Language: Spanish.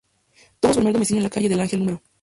Tuvo su primer domicilio en la calle Del Ángel No.